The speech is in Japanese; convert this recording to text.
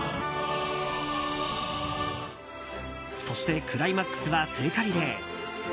そして、クライマックスは聖火リレー。